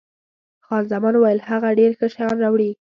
خان زمان وویل، هغه ډېر ښه شیان راوړي.